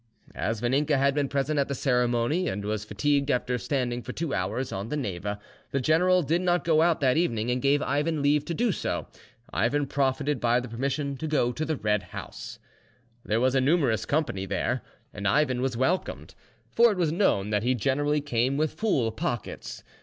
As Vaninka had been present at the ceremony, and was fatigued after standing for two hours on the Neva, the general did not go out that evening, and gave Ivan leave to do so. Ivan profited by the permission to go to the Red House. There was a numerous company there, and Ivan was welcomed; for it was known that he generally came with full pockets.